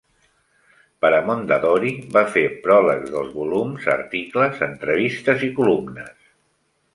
Per a Mondadori va fer pròlegs dels volums, articles, entrevistes i columnes.